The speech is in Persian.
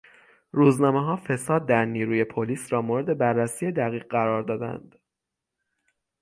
روزنامهها فساد در نیروی پلیس را مورد بررسی دقیق قرار دادند.